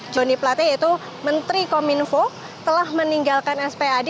joni plate yaitu menteri kominfo telah meninggalkan spad